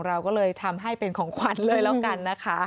แค่เธอกับฉัน